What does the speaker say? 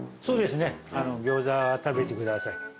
そうですね餃子食べてください。